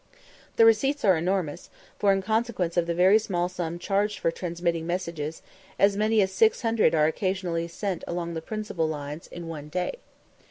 The receipts are enormous, for, in consequence of the very small sum charged for transmitting messages, as many as 600 are occasionally sent along the principal lines in one day.